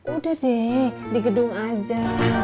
udah deh di gedung aja